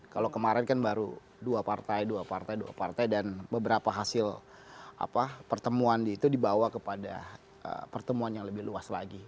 kalau kemarin kan baru dua partai dua partai dua partai dan beberapa hasil pertemuan itu dibawa kepada pertemuan yang lebih luas lagi